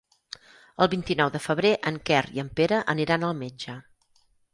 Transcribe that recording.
El vint-i-nou de febrer en Quer i en Pere aniran al metge.